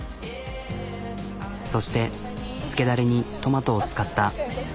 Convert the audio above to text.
そしてつけダレにトマトを使った。